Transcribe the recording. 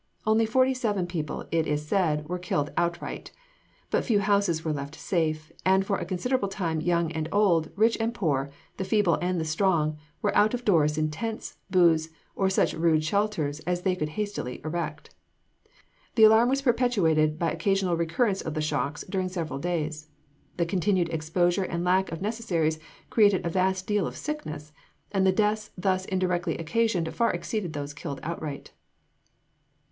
Only forty seven people, it is said, were killed outright. But few houses were left safe; and for a considerable time young and old, rich and poor, the feeble and the strong, were out of doors in tents, booths, or such rude shelters as they could hastily erect. The alarm was perpetuated by occasional recurrence of the shocks during several days. The continued exposure and lack of necessaries created a vast deal of sickness; and the deaths thus indirectly occasioned far exceeded those killed outright.